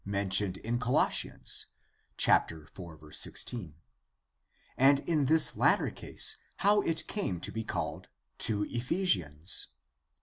mentioned in Colossians (4:16), and in this latter case how it came to be called "To Ephesians."